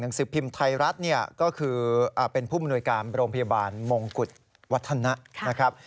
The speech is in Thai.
สือพิมพ์ไทยรัฐเนี่ยก็คือเป็นผู้มนวยการโรงพยาบาลมงกุฎวัฒนะนะครับ